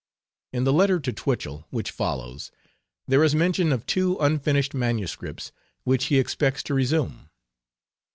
In the letter to Twichell, which follows, there is mention of two unfinished manuscripts which he expects to resume.